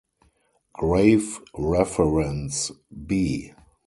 Grave Reference: B.